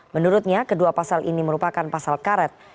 menurutnya kedua pasal ini merupakan pasal karet